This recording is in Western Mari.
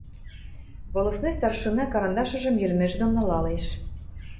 Волостной старшина карандашыжым йӹлмӹжӹ доно нылалеш.